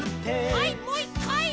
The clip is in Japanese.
はいもう１かい！